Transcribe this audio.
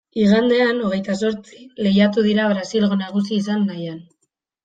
Igandean, hogeita zortzi, lehiatu dira Brasilgo nagusi izan nahian.